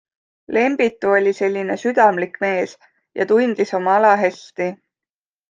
Lembitu oli selline südamlik mees ja tundis oma ala hästi.